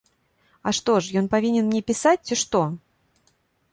А што ж ён павінен мне пісаць, ці што?